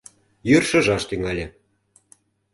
Йӱр шыжаш тӱҥале.